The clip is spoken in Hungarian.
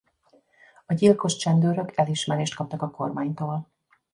A gyilkos csendőrök elismerést kaptak a kormánytól.